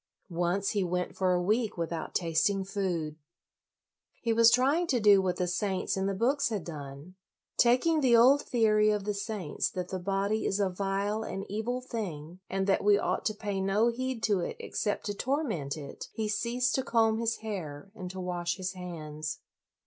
Once he went for a week with out tasting food. He was trying to do what the saints in the books had done. Taking the old theory of the saints that the body is a vile and evil thing, and that we ought to pay no heed to it except to torment it, he ceased to comb his hair and to wash his hands.